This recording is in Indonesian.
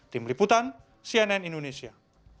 tim liputan cnn indonesia